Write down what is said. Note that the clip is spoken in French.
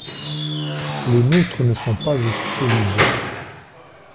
Les nôtres ne sont pas aussi solides.